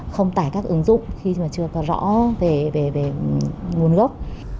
không tải các ứng dụng khi mà chưa có rõ về nguồn gốc